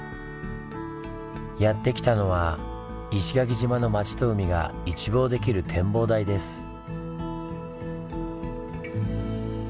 やって来たのは石垣島の町と海が一望できる展望台です。